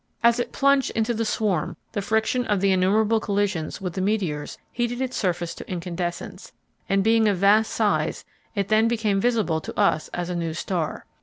As it plunged into the swarm the friction of the innumerable collisions with the meteors heated its surface to incandescence, and being of vast size it then became visible to us as a new star.